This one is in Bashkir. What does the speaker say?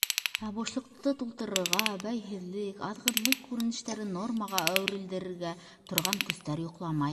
Ә бушлыҡты тултырырға, бәйһеҙлек, аҙғынлыҡ күренештәрен нормаға әүерелдерергә торған көстәр йоҡламай.